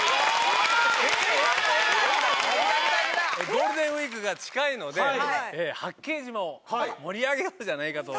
ゴールデンウイークが近いので「八景島」を盛り上げようじゃないかと。